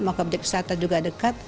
mau ke pijak peserta juga dekat